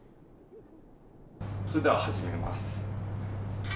それでは始めます。